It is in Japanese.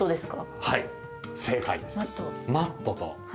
はい正解。